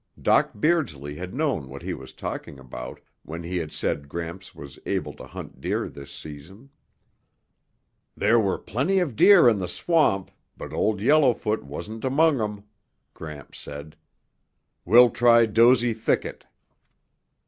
Doc Beardsley had known what he was talking about when he had said Gramps was able to hunt deer this season. "There were plenty of deer in the swamp, but Old Yellowfoot wasn't among 'em," Gramps said. "We'll try Dozey Thicket."